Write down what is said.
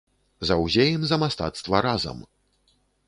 Заўзеем за мастацтва разам!